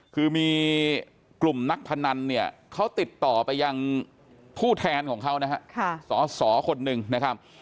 คือมีกลุ่มนักพนันเนี่ยเขาติดต่อไปยังผู้แทนของเขานะฮะสสคนหนึ่งนะครับ